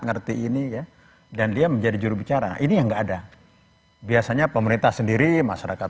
ngerti ini ya dan dia menjadi jurubicara ini yang enggak ada biasanya pemerintah sendiri masyarakat